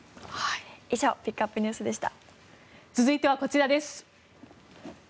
以上ピックアップＮＥＷＳでした。